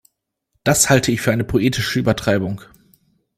Das halte ich für eine poetische Übertreibung.